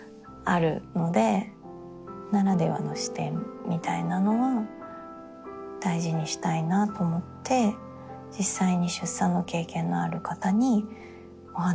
ならではの視点みたいなのは大事にしたいなと思って実際に出産の経験のある方にお話を聞いたりとか。